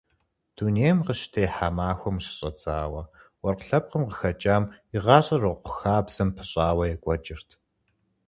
Дунейм къыщытехьа махуэм къыщыщӏэдзауэ уэркъ лъэпкъым къыхэкӏам и гъащӏэр уэркъ хабзэм пыщӏауэ екӏуэкӏырт.